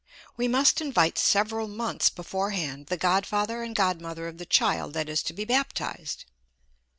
_ We must invite several months beforehand the godfather and godmother of the child that is to be baptized.